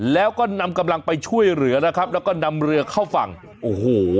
แล้วก็นำกำลังไปช่วยเหลือนะครับแล้วก็นำเรือเข้าฝั่งโอ้โห